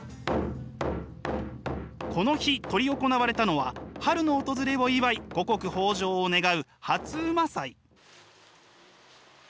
この日執り行われたのは春の訪れを祝い五穀豊じょうを願う初午祭。